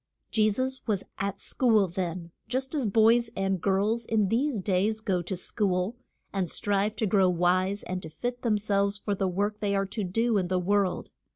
Je sus was at school then, just as boys and girls in these days go to school, and strive to grow wise and to fit them selves for the work they are to do in the world.